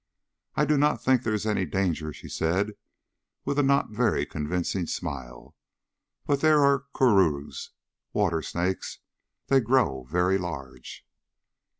"I do not think there is any danger," she said with a not very convincing smile, "but there are cururus water snakes. They grow very large."